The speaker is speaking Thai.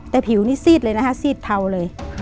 แต่ผิวนี่ซีดเลยนะคะซีดเทาเลย